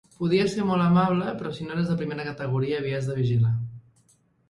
Podia ser molt amable, però si no eres de primera categoria, havies de vigilar.